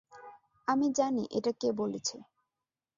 আমি জানি কে এটা বলেছে।